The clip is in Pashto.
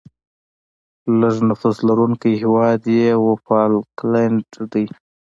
لیږ نفوس لرونکی هیواد یې وفالکلند دی.